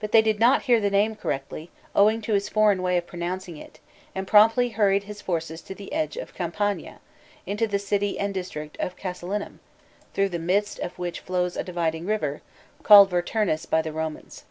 But they did not hear the name correctly, owing to his foreign way of pronouncing it, and promptly hurried kis forces to the edge of Campania, into the city and district of Casilinum, through the midst of which flows a dividing river, called Vul turnus by the Romans.